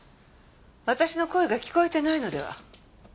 私の声が聞こえてないのでは？